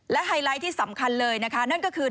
และไฮไลท์ที่สำคัญเลยนะคะนั่นก็คือ